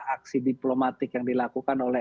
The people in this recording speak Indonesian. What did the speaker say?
aksi diplomatik yang dilakukan oleh